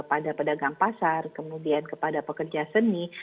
pada pedagang pasar kemudian kepada pekerja seni